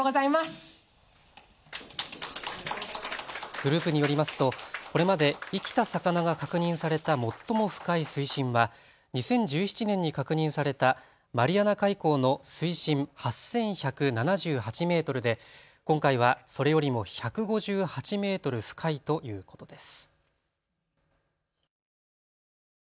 グループによりますとこれまで生きた魚が確認された最も深い水深は２０１７年に確認されたマリアナ海溝の水深８１７８メートルで今回はそれよりも１５８メートル深いということです。